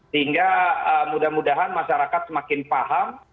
sehingga mudah mudahan masyarakat semakin paham